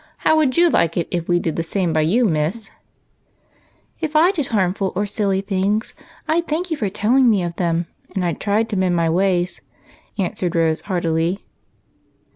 How would you like it if we did the same by you. Miss ?"" If I did harmful or silly things, I 'd thank you for telling me of them, and I 'd try to mend my ways," answered Rose heartily.